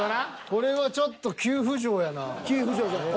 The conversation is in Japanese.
これはちょっと急浮上じゃない。